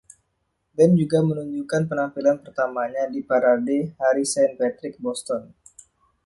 Ben juga menunjukkan penampilan pertamanya di Parade Hari Saint Patrick Boston.